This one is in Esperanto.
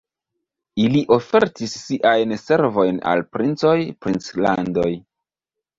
Ili ofertis siajn servojn al princoj, princlandoj.